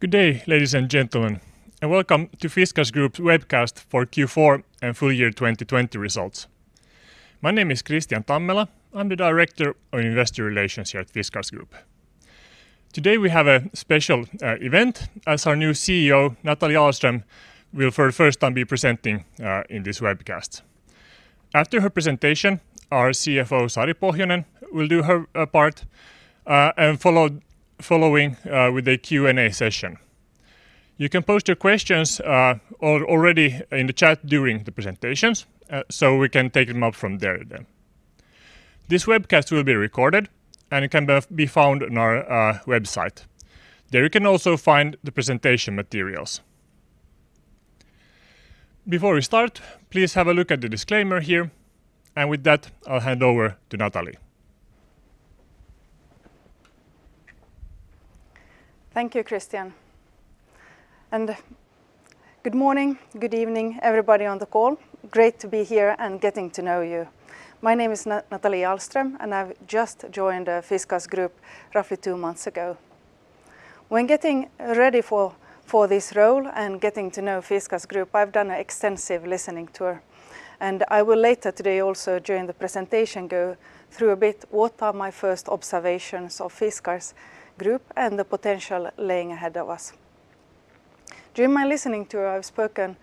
Good day, ladies and gentlemen, and welcome to Fiskars Group's webcast for Q4 and full year 2020 results. My name is Kristian Tammela. I'm the Director of Investor Relations here at Fiskars Group. Today we have a special event as our new CEO, Nathalie Ahlström, will for the first time be presenting in this webcast. After her presentation, our CFO, Sari Pohjonen, will do her part, and following with a Q&A session. You can post your questions already in the chat during the presentations, so we can take them up from there then. This webcast will be recorded and can be found on our website. There you can also find the presentation materials. Before we start, please have a look at the disclaimer here. With that, I'll hand over to Nathalie. Thank you, Kristian, and good morning, good evening, everybody on the call. Great to be here and getting to know you. My name is Nathalie Ahlström, and I've just joined Fiskars Group roughly two months ago. When getting ready for this role and getting to know Fiskars Group, I've done an extensive listening tour and I will later today also during the presentation go through a bit what are my first observations of Fiskars Group and the potential laying ahead of us. During my listening tour, I've spoken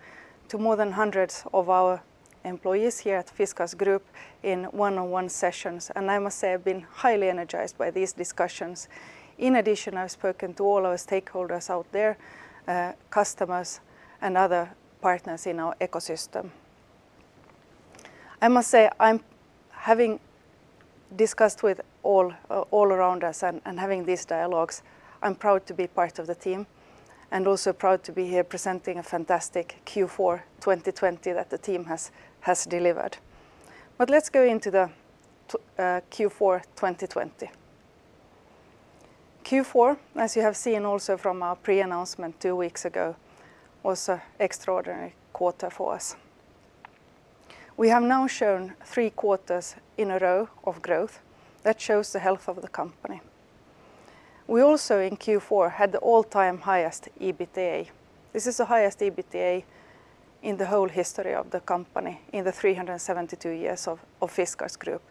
to more than hundreds of our employees here at Fiskars Group in one-on-one sessions, and I must say I've been highly energized by these discussions. In addition, I've spoken to all our stakeholders out there, customers and other partners in our ecosystem. I must say, having discussed with all around us and having these dialogues, I am proud to be part of the team and also proud to be here presenting a fantastic Q4 2020 that the team has delivered. Let us go into the Q4 2020. Q4, as you have seen also from our pre-announcement two weeks ago, was an extraordinary quarter for us. We have now shown three quarters in a row of growth that shows the health of the company. We also in Q4 had the all-time highest EBITDA. This is the highest EBITDA in the whole history of the company in the 372 years of Fiskars Group,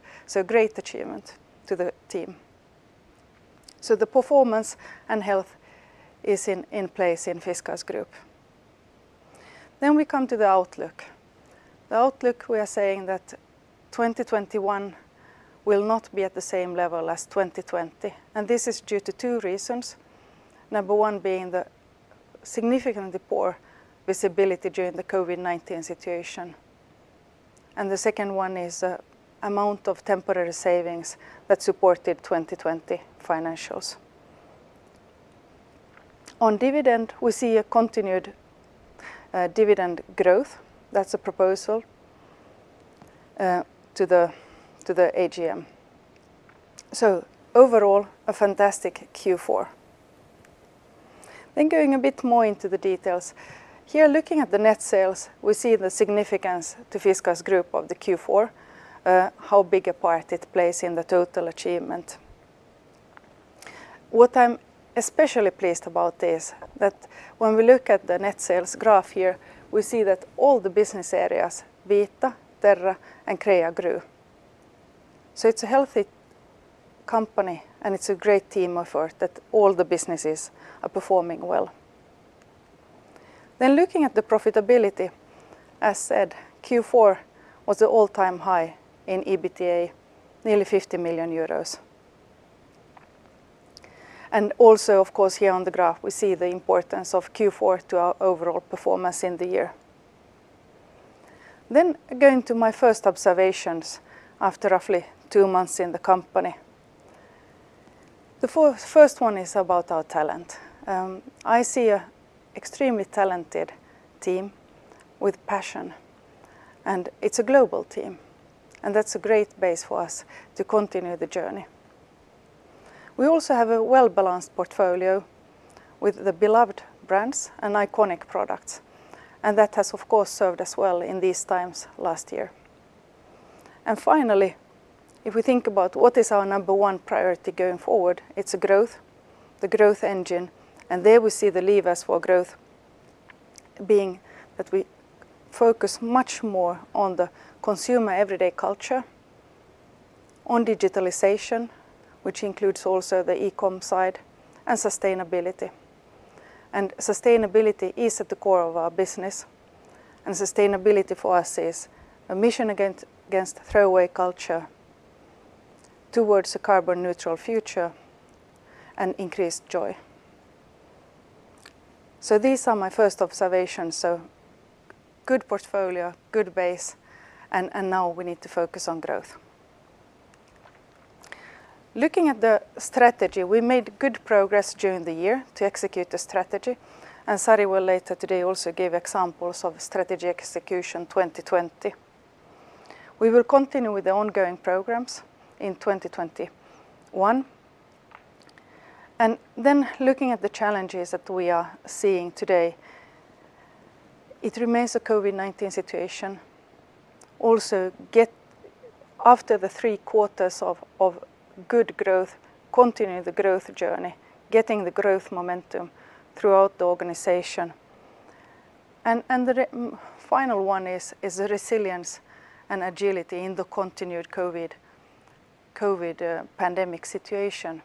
great achievement to the team. The performance and health is in place in Fiskars Group. We come to the outlook. The outlook we are saying that 2021 will not be at the same level as 2020, and this is due to two reasons. Number one being the significantly poor visibility during the COVID-19 situation, and the second one is amount of temporary savings that supported 2020 financials. On dividend, we see a continued dividend growth. That's a proposal to the AGM. Overall, a fantastic Q4. Going a bit more into the details. Here looking at the net sales, we see the significance to Fiskars Group of the Q4, how big a part it plays in the total achievement. What I'm especially pleased about is that when we look at the net sales graph here, we see that all the business areas, Vita, Terra, and Crea grew. It's a healthy company and it's a great team effort that all the businesses are performing well. Looking at the profitability, as said, Q4 was an all-time high in EBITDA, nearly EUR 50 million. Also of course here on the graph we see the importance of Q4 to our overall performance in the year. Going to my first observations after roughly two months in the company. The first one is about our talent. I see a extremely talented team with passion, and it's a global team, and that's a great base for us to continue the journey. We also have a well-balanced portfolio with the beloved brands and iconic products, and that has of course served us well in these times last year. Finally, if we think about what is our number one priority going forward, it's the growth engine, and there we see the levers for growth being that we focus much more on the consumer everyday culture, on digitalization, which includes also the e-com side and sustainability. Sustainability is at the core of our business. Sustainability for us is a mission against throwaway culture towards a carbon neutral future and increased joy. These are my first observations. Good portfolio, good base, and now we need to focus on growth. Looking at the strategy, we made good progress during the year to execute the strategy, Sari will later today also give examples of strategy execution 2020. We will continue with the ongoing programs in 2021. Looking at the challenges that we are seeing today. It remains a COVID-19 situation. After the three quarters of good growth, continue the growth journey, getting the growth momentum throughout the organization. The final one is the resilience and agility in the continued COVID-19 pandemic situation.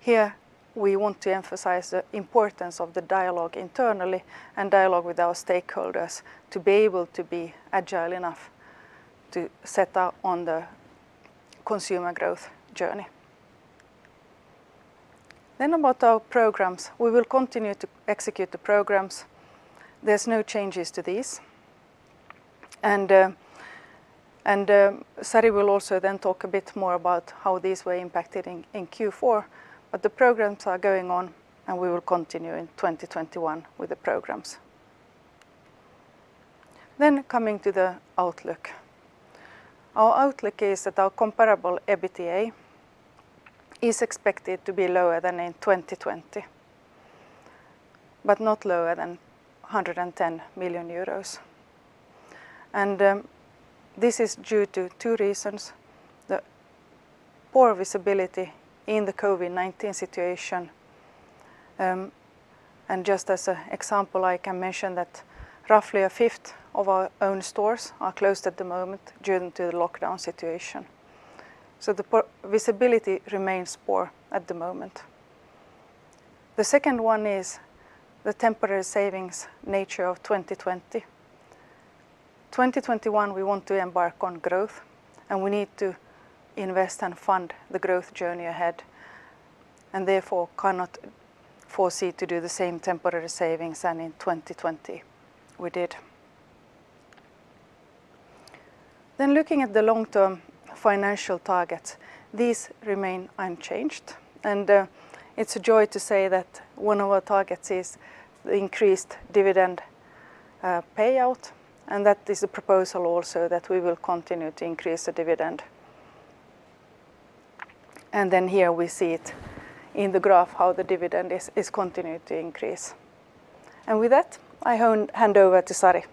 Here we want to emphasize the importance of the dialogue internally and dialogue with our stakeholders to be able to be agile enough to set out on the consumer growth journey. About our programs, we will continue to execute the programs. There's no changes to these. Sari will also then talk a bit more about how these were impacted in Q4, but the programs are going on, and we will continue in 2021 with the programs. Coming to the outlook. Our outlook is that our comparable EBITDA is expected to be lower than in 2020, but not lower than 110 million euros. This is due to two reasons. The poor visibility in the COVID-19 situation. Just as an example, I can mention that roughly a fifth of our own stores are closed at the moment due to the lockdown situation. The visibility remains poor at the moment. The second one is the temporary savings nature of 2020. 2021, we want to embark on growth. We need to invest and fund the growth journey ahead, therefore cannot foresee to do the same temporary savings than in 2020 we did. Looking at the long-term financial targets, these remain unchanged. It's a joy to say that one of our targets is the increased dividend payout. That is a proposal also that we will continue to increase the dividend. Here we see it in the graph how the dividend is continuing to increase. With that, I hand over to Sari.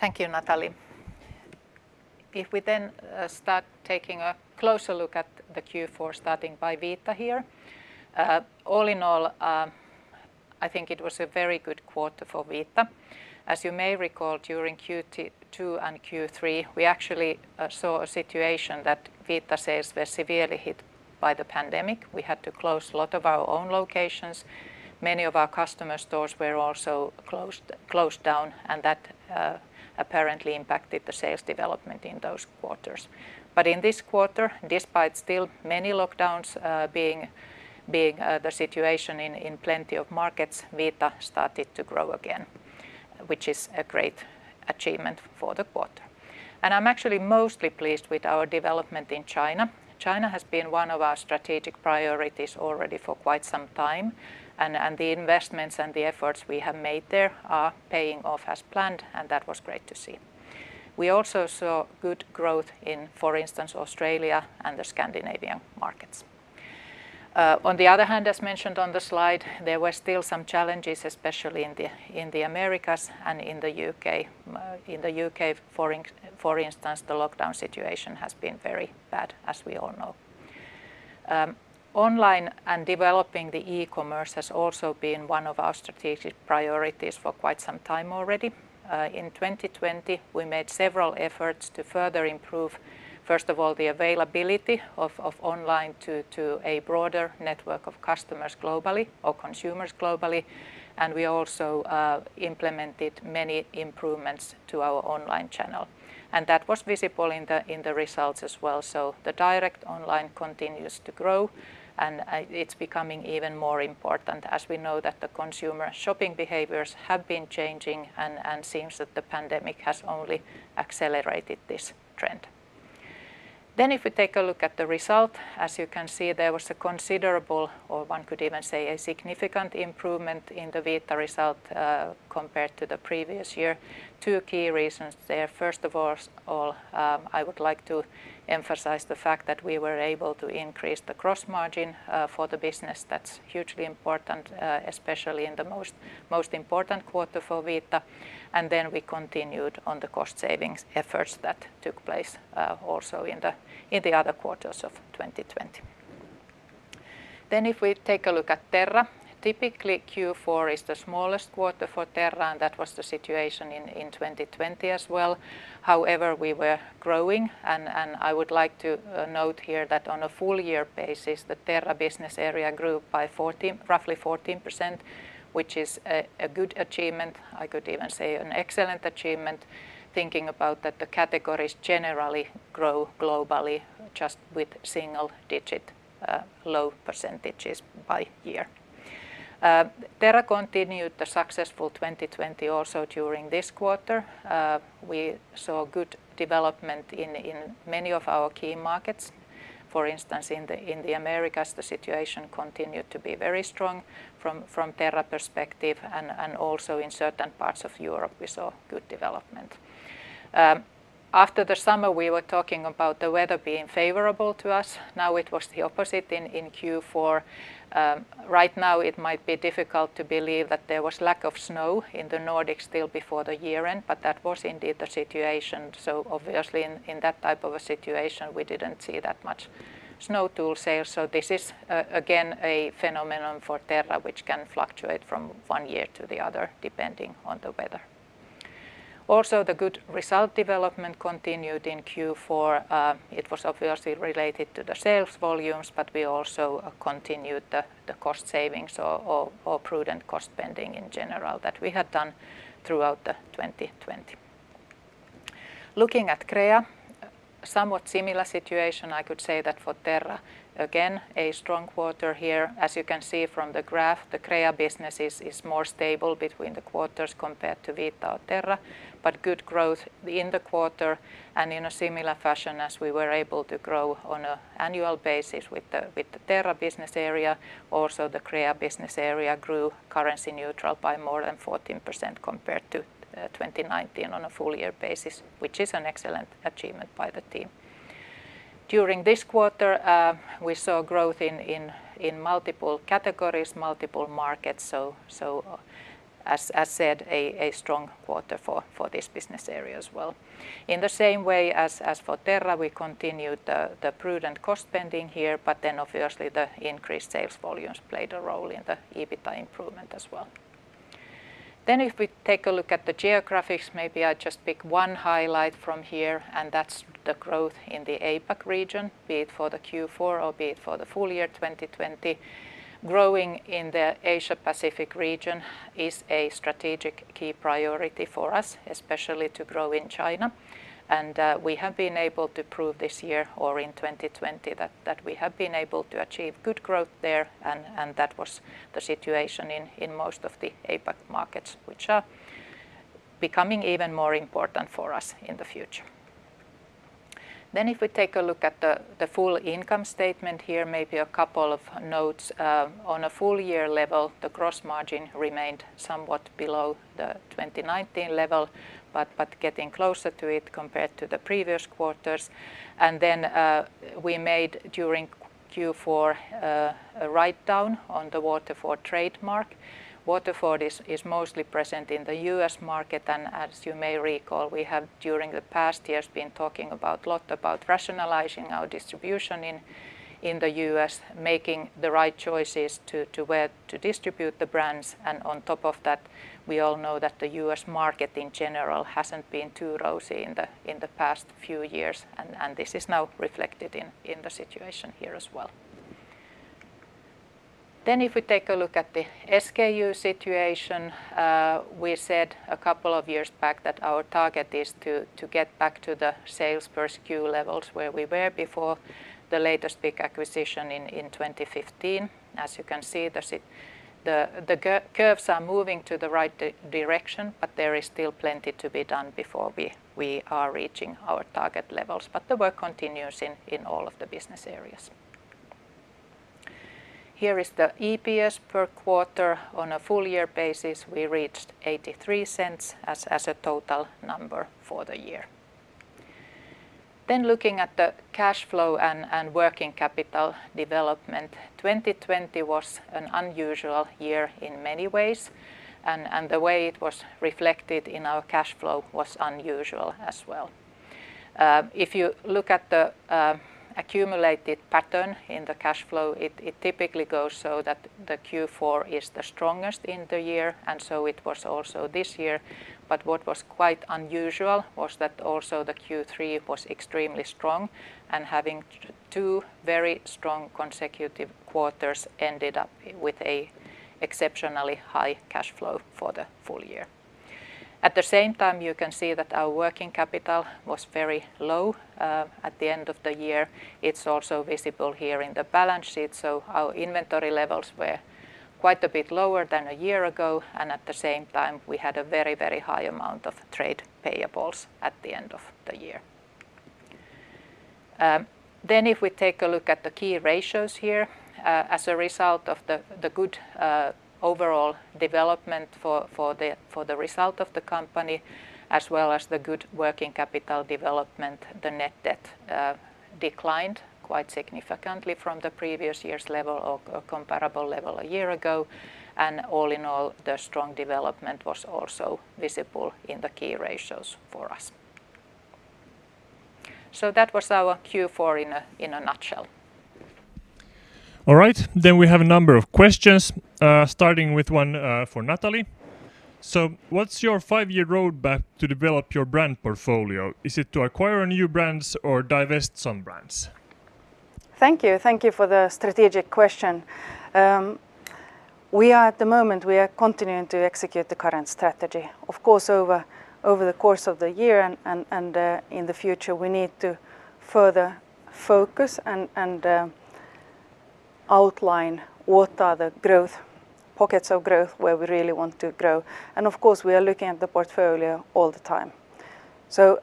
Thank you, Nathalie. If we start taking a closer look at the Q4, starting by Vita here. All in all, I think it was a very good quarter for Vita. As you may recall, during Q2 and Q3, we actually saw a situation that Vita sales were severely hit by the pandemic. We had to close a lot of our own locations. Many of our customer stores were also closed down, and that apparently impacted the sales development in those quarters. In this quarter, despite still many lockdowns being the situation in plenty of markets, Vita started to grow again, which is a great achievement for the quarter. I'm actually mostly pleased with our development in China. China has been one of our strategic priorities already for quite some time, and the investments and the efforts we have made there are paying off as planned, and that was great to see. We also saw good growth in, for instance, Australia and the Scandinavian markets. On the other hand, as mentioned on the slide, there were still some challenges, especially in the Americas and in the U.K. In the U.K., for instance, the lockdown situation has been very bad, as we all know. Online and developing the e-commerce has also been one of our strategic priorities for quite some time already. In 2020, we made several efforts to further improve, first of all, the availability of online to a broader network of customers globally or consumers globally, and we also implemented many improvements to our online channel. That was visible in the results as well. The direct online continues to grow, and it's becoming even more important as we know that the consumer shopping behaviors have been changing and seems that the pandemic has only accelerated this trend. If we take a look at the result, as you can see, there was a considerable, or one could even say a significant improvement in the Vita result, compared to the previous year. Two key reasons there. First of all, I would like to emphasize the fact that we were able to increase the gross margin for the business. That's hugely important, especially in the most important quarter for Vita. We continued on the cost savings efforts that took place, also in the other quarters of 2020. If we take a look at Terra, typically Q4 is the smallest quarter for Terra, and that was the situation in 2020 as well. We were growing, and I would like to note here that on a full year basis, the Terra business area grew by roughly 14%, which is a good achievement. I could even say an excellent achievement, thinking about that the categories generally grow globally just with single digit, low percentages by year. Terra continued the successful 2020 also during this quarter. We saw good development in many of our key markets. For instance, in the Americas, the situation continued to be very strong from Terra perspective and also in certain parts of Europe we saw good development. After the summer, we were talking about the weather being favorable to us. It was the opposite in Q4. Right now, it might be difficult to believe that there was lack of snow in the Nordics till before the year end, but that was indeed the situation. Obviously in that type of a situation, we didn't see that much snow tool sales. This is again, a phenomenon for Terra which can fluctuate from one year to the other, depending on the weather. Also, the good result development continued in Q4. It was obviously related to the sales volumes, but we also continued the cost savings or prudent cost-spending in general that we had done throughout 2020. Looking at Crea, somewhat similar situation, I could say that for Terra. Again, a strong quarter here. As you can see from the graph, the Crea business is more stable between the quarters compared to Vita or Terra. Good growth in the quarter and in a similar fashion as we were able to grow on an annual basis with the Terra business area, the Crea business area grew currency neutral by more than 14% compared to 2019 on a full-year basis, which is an excellent achievement by the team. During this quarter, we saw growth in multiple categories, multiple markets. As said, a strong quarter for this business area as well. In the same way as for Terra, we continued the prudent cost spending here. Obviously the increased sales volumes played a role in the EBITDA improvement as well. If we take a look at the geographies, maybe I will just pick one highlight from here, and that is the growth in the APAC region, be it for the Q4 or be it for the full year 2020. Growing in the Asia Pacific region is a strategic key priority for us, especially to grow in China. We have been able to prove this year or in 2020 that we have been able to achieve good growth there, and that was the situation in most of the APAC markets, which are becoming even more important for us in the future. If we take a look at the full income statement here, maybe a couple of notes. On a full year level, the gross margin remained somewhat below the 2019 level, but getting closer to it compared to the previous quarters. We made, during Q4, a write-down on the Waterford trademark. Waterford is mostly present in the U.S. market, and as you may recall, we have during the past years been talking a lot about rationalizing our distribution in the U.S., making the right choices to where to distribute the brands, and on top of that, we all know that the U.S. market in general hasn't been too rosy in the past few years, and this is now reflected in the situation here as well. If we take a look at the SKU situation, we said a couple of years back that our target is to get back to the sales per SKU levels where we were before the latest big acquisition in 2015. As you can see, the curves are moving to the right direction, there is still plenty to be done before we are reaching our target levels. The work continues in all of the business areas. Here is the EPS per quarter. On a full year basis, we reached 0.83 as a total number for the year. Looking at the cash flow and working capital development, 2020 was an unusual year in many ways, and the way it was reflected in our cash flow was unusual as well. If you look at the accumulated pattern in the cash flow, it typically goes so that the Q4 is the strongest in the year, it was also this year. What was quite unusual was that also the Q3 was extremely strong, and having two very strong consecutive quarters ended up with a exceptionally high cash flow for the full year. At the same time, you can see that our working capital was very low at the end of the year. It's also visible here in the balance sheet. Our inventory levels were quite a bit lower than a year ago, and at the same time, we had a very high amount of trade payables at the end of the year. If we take a look at the key ratios here, as a result of the good overall development for the result of the company, as well as the good working capital development, the net debt declined quite significantly from the previous year's level or comparable level a year ago. All in all, the strong development was also visible in the key ratios for us. That was our Q4 in a nutshell. All right. We have a number of questions, starting with one for Nathalie. What's your five-year roadmap to develop your brand portfolio? Is it to acquire new brands or divest some brands? Thank you for the strategic question. At the moment, we are continuing to execute the current strategy. Of course, over the course of the year and in the future, we need to further focus and outline what are the pockets of growth where we really want to grow. Of course, we are looking at the portfolio all the time.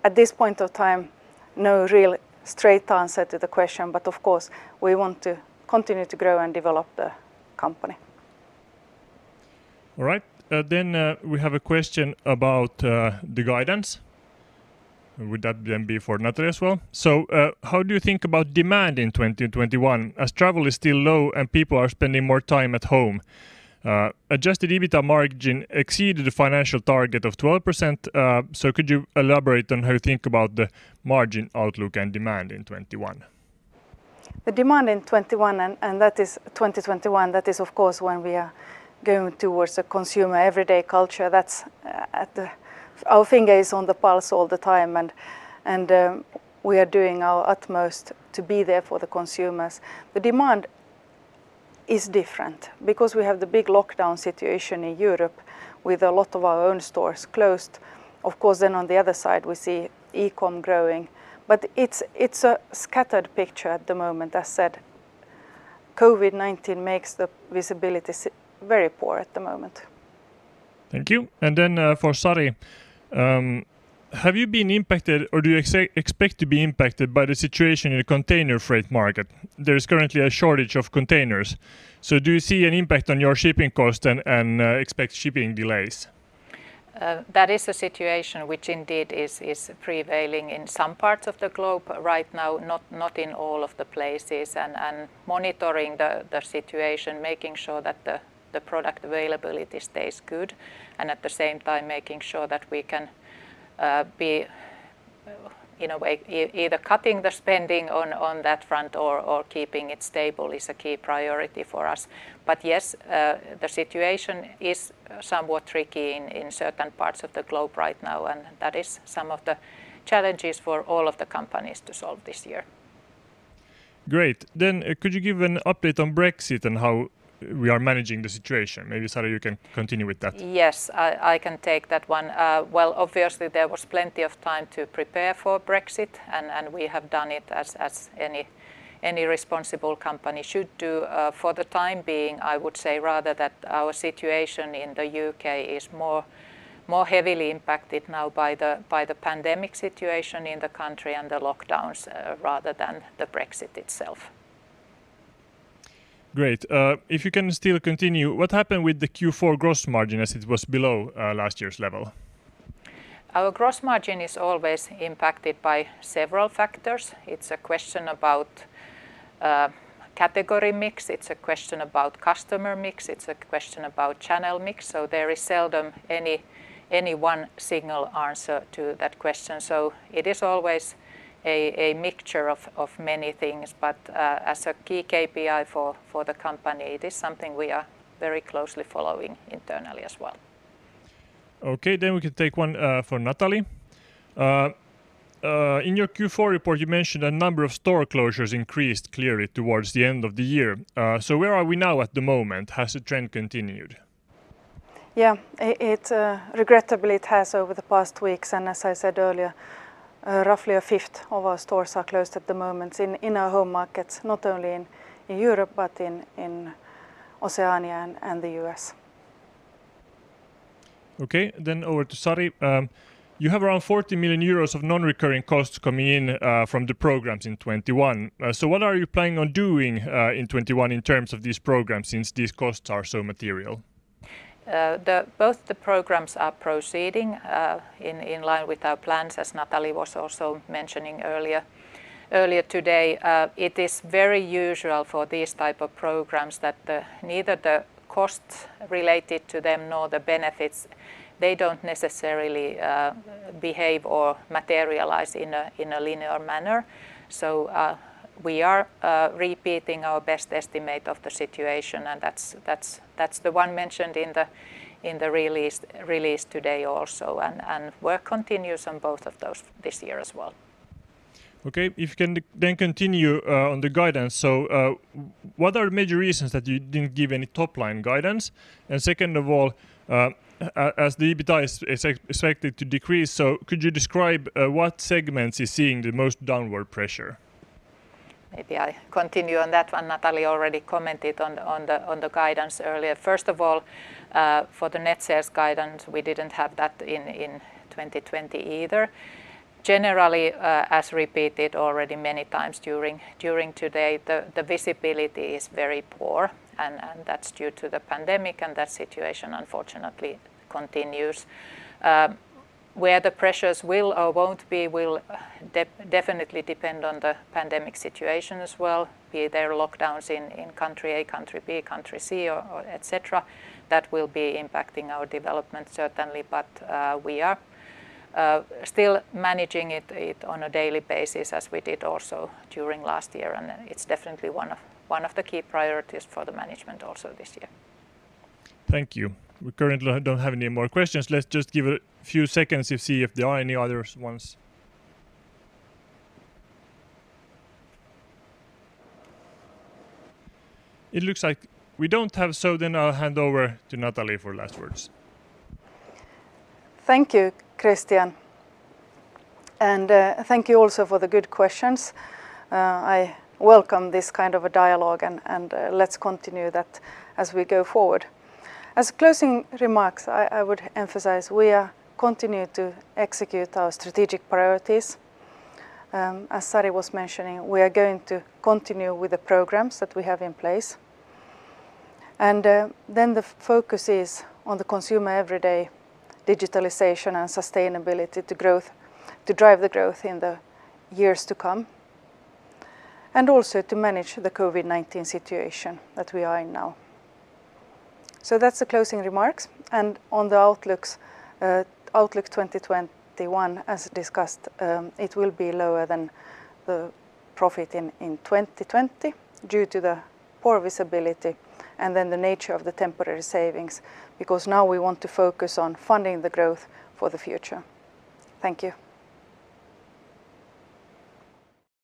At this point of time, no real straight answer to the question, but of course, we want to continue to grow and develop the company. All right. We have a question about the guidance. Would that be for Nathalie as well? How do you think about demand in 2021 as travel is still low and people are spending more time at home? Adjusted EBITDA margin exceeded the financial target of 12%, could you elaborate on how you think about the margin outlook and demand in 2021? The demand in 2021, and that is 2021, that is, of course, when we are going towards a consumer everyday culture. Our finger is on the pulse all the time, and we are doing our utmost to be there for the consumers. The demand is different because we have the big lockdown situation in Europe with a lot of our own stores closed. Of course, then on the other side, we see e-com growing, but it's a scattered picture at the moment. As said, COVID-19 makes the visibility very poor at the moment. Thank you. Then for Sari, have you been impacted, or do you expect to be impacted by the situation in the container freight market? There is currently a shortage of containers. Do you see an impact on your shipping cost and expect shipping delays? That is a situation which indeed is prevailing in some parts of the globe right now, not in all of the places, and monitoring the situation, making sure that the product availability stays good, and at the same time, making sure that we can be, in a way, either cutting the spending on that front or keeping it stable is a key priority for us. Yes, the situation is somewhat tricky in certain parts of the globe right now, and that is some of the challenges for all of the companies to solve this year. Great. Could you give an update on Brexit and how we are managing the situation? Maybe, Sari, you can continue with that? Yes, I can take that one. Well, obviously, there was plenty of time to prepare for Brexit, and we have done it as any responsible company should do. For the time being, I would say rather that our situation in the U.K. is more heavily impacted now by the pandemic situation in the country and the lockdowns rather than the Brexit itself. Great. If you can still continue, what happened with the Q4 gross margin as it was below last year's level? Our gross margin is always impacted by several factors. It's a question about category mix. It's a question about customer mix. It's a question about channel mix. There is seldom any one single answer to that question. It is always a mixture of many things, but as a key KPI for the company, it is something we are very closely following internally as well. We can take one for Nathalie. In your Q4 report, you mentioned a number of store closures increased clearly towards the end of the year. Where are we now at the moment? Has the trend continued? Yeah. Regrettably, it has over the past weeks, and as I said earlier, roughly a fifth of our stores are closed at the moment in our home markets, not only in Europe but in Oceania and the U.S. Over to Sari. You have around 40 million euros of non-recurring costs coming in from the programs in 2021. What are you planning on doing in 2021 in terms of these programs since these costs are so material? Both the programs are proceeding in line with our plans, as Nathalie was also mentioning earlier today. It is very usual for these type of programs that neither the costs related to them nor the benefits, they don't necessarily behave or materialize in a linear manner. We are repeating our best estimate of the situation, and that's the one mentioned in the release today also, and work continues on both of those this year as well. Okay, if you can then continue on the guidance. What are major reasons that you didn't give any top-line guidance? Second of all, as the EBITDA is expected to decrease, could you describe what segments is seeing the most downward pressure? Maybe I continue on that one. Nathalie already commented on the guidance earlier. First of all, for the net sales guidance, we didn't have that in 2020 either. Generally, as repeated already many times during today, the visibility is very poor, and that's due to the pandemic, and that situation unfortunately continues. Where the pressures will or won't be will definitely depend on the pandemic situation as well. Be there lockdowns in country A, country B, country C, or et cetera, that will be impacting our development certainly, but we are still managing it on a daily basis as we did also during last year, and it's definitely one of the key priorities for the management also this year. Thank you. We currently don't have any more questions. Let's just give a few seconds to see if there are any other ones. It looks like we don't have, so then I'll hand over to Nathalie for last words. Thank you, Kristian, and thank you also for the good questions. I welcome this kind of a dialogue, and let's continue that as we go forward. As closing remarks, I would emphasize we are continuing to execute our strategic priorities. As Sari was mentioning, we are going to continue with the programs that we have in place. The focus is on the consumer every day, digitalization and sustainability to drive the growth in the years to come, and also to manage the COVID-19 situation that we are in now. That's the closing remarks, and on the outlook 2021, as discussed, it will be lower than the profit in 2020 due to the poor visibility and then the nature of the temporary savings because now we want to focus on funding the growth for the future. Thank you.